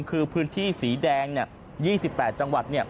คือพื้นที่สีแดง๒๘จังหวัด